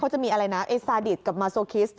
เขาจะมีอารมณาเอสาดิดกับมาโซคริสต์